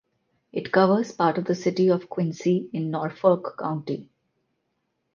It covers part of the city of Quincy in Norfolk County.